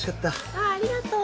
あっありがとう。